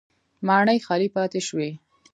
ماڼۍ خالي پاتې شوې